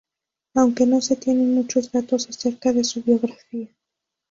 Aunque no se tienen muchos datos acerca de su biografía.